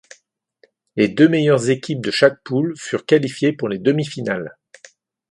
Les deux meilleures équipes de chaque poules furent qualifiées pour les demi-finales.